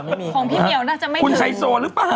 ของพี่เมียวน่าจะไม่ถึงคุณไฮโซหรือเปล่าไม่ค่ะ